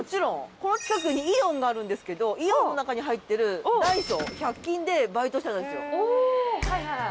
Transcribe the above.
この近くにイオンがあるんですけどイオンの中に入ってるＤＡＩＳＯ１００均でバイトしてたんですよ。